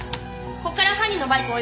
ここから犯人のバイクを追います。